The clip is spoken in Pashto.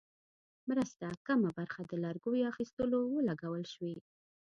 مرستو کمه برخه د لرګیو اخیستلو ولګول شوې.